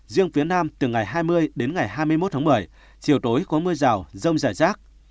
riêng phía nam từ ngày hai mươi đến ngày hai mươi một tháng một mươi chiều tối có mưa rào rông rải rác